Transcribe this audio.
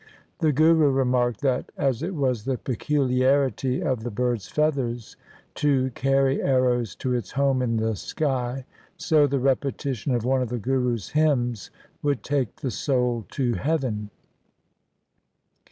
The Guru remarked that, as it was the peculiarity of the bird's feathers to carry arrows to its home in the sky, so the repetition of one of the Gurus' hymns would take the soul to heaven.